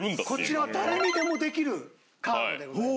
こちらは誰にでもできるカードでございます。